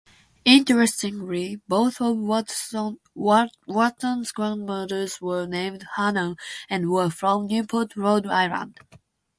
Interestingly, both of Wharton's grandmothers were named Hannah and were from Newport, Rhode Island.